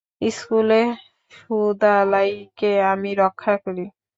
স্কুলে সুদালাইকে আমি রক্ষা করি।